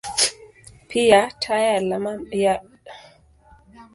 Pia, taya la mamba lina uwezo wa hali ya juu wa hisi.